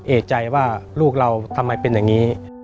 เอกใจว่าลูกเราทำไมเป็นอย่างนี้